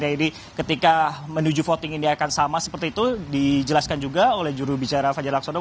jadi ketika menuju voting ini akan sama seperti itu dijelaskan juga oleh jurubicara fajar aksodol